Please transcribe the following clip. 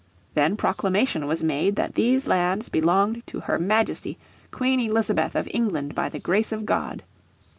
Then proclamation was made that these lands belonged to her Majesty Queen Elizabeth of England by the Grace of God.